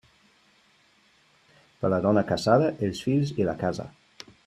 Per la dona casada, els fills i la casa.